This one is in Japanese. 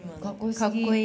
かっこいい。